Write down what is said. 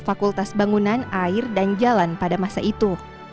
fakultas bangunan air dan jalan pada masa itu